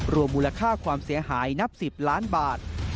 รวมมูลค่าความเสียหายนับ๑๐ล้านบาท